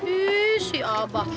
ih si abah